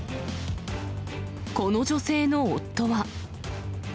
この女性の夫は。